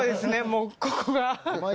もうここが。